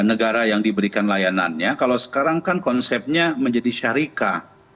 negara yang diberikan layanannya kalau sekarang kan konsepnya menjadi syarikat